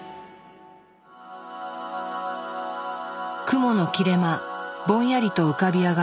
雲の切れ間ぼんやりと浮かび上がる